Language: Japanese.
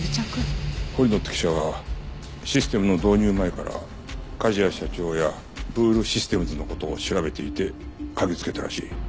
堀野って記者はシステムの導入前から梶谷社長やブールシステムズの事を調べていて嗅ぎつけたらしい。